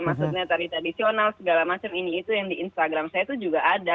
maksudnya tari tradisional segala macam ini itu yang di instagram saya tuh juga ada